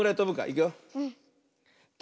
いくよ。と